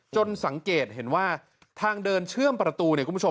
สังเกตเห็นว่าทางเดินเชื่อมประตูเนี่ยคุณผู้ชม